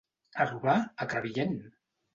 A robar, a Crevillent!